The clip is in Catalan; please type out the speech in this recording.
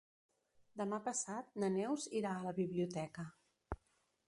Demà passat na Neus irà a la biblioteca.